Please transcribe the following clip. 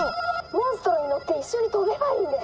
「モンストロに乗って一緒に飛べばいいんです！」。